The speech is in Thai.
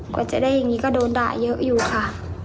กว่าจะได้อย่างนี้ก็โดนด่าเยอะอยู่ค่ะ